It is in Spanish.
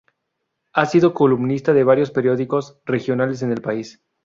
Ha sido columnista de varios periódicos regionales en el país.